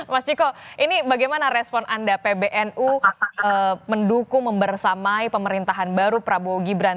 mas ciko ini bagaimana respon anda pbnu mendukung membersamai pemerintahan baru prabowo gibran